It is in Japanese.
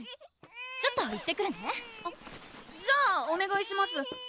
ちょっと行ってくるねあっじゃあおねがいします